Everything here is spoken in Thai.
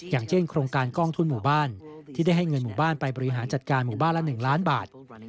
อย่างเช่นโครงการกองทุนหมู่บ้านที่ได้ให้เงินหมู่บ้านไปบริหารจัดการหมู่บ้านละ๑ล้านบาท